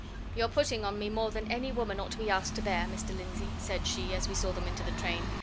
"You're putting on me more than any woman ought to be asked to bear, Mr. Lindsey," said she, as we saw them into the train.